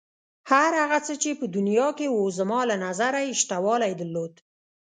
هر هغه څه چې په دنیا کې و زما له نظره یې شتوالی درلود.